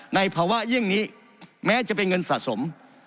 ในภาวะเยี่ยงนี้แม้จะเป็นเงินสะสม